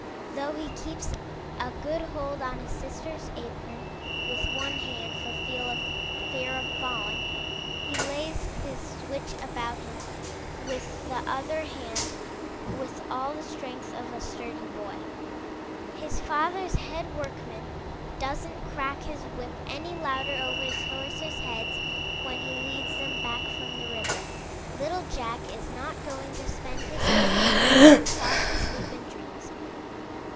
Though he keeps a good hold on his sister's apron with one hand, for fear of falling, he lays his switch about him with the other hand with all the strength of a sturdy boy. His father's head workman doesn't 329 MY BOOK HOUSE crack his whip any louder over his horses' heads when he leads them back from the river. Little Jack is not going to spend his time in soft sleep and dreams.